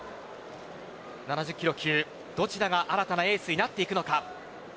７０キロ級、どちらが新たなエースになっていくのか。